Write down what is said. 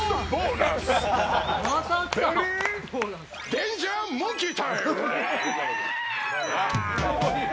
デンジャーモンキー。